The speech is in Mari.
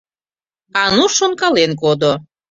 — Ануш шонкален кодо.